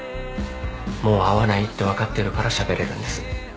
もう会わないって分かってるからしゃべれるんです。